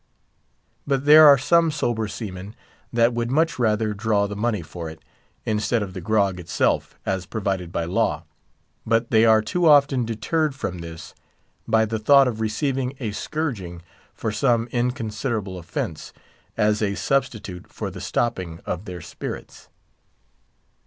_" But there are some sober seamen that would much rather draw the money for it, instead of the grog itself, as provided by law; but they are too often deterred from this by the thought of receiving a scourging for some inconsiderable offence, as a substitute for the stopping of their spirits.